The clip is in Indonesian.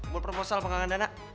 buat proposal pengangan dana